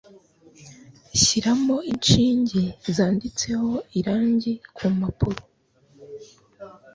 shyiramo inshinge zanditseho irangi kumpapuro